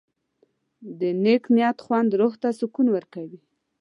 د نیک نیت خوند روح ته سکون ورکوي.